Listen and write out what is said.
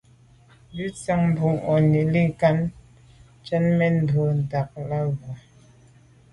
Bìn síáŋ bû’ŋwà’nǐ lî kά njə́n mə̂n mbwɔ̀ ntὰg lά bwə́.